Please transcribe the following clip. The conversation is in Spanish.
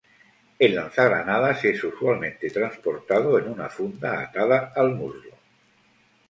El lanzagranadas es usualmente transportado en una funda atada al muslo.